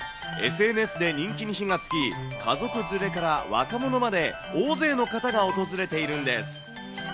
ＳＮＳで人気に火がつき、家族連れから若者まで、大勢の方が訪れているんです。